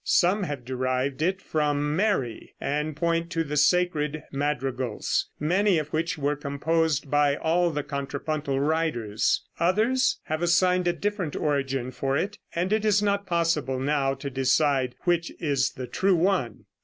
Some have derived it from Mary, and point to the sacred madrigals, many of which were composed by all the contrapuntal writers. Others have assigned a different origin for it, and it is not possible now to decide which is the true one.